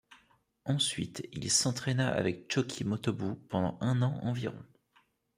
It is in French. Ensuite, il s'entraîna avec Chōki Motobu pendant un an environ.